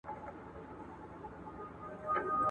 کمپيوټر وېډيو اخلي.